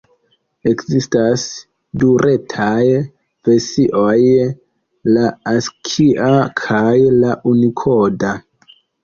Ekzistas du retaj versioj: la askia kaj la unikoda.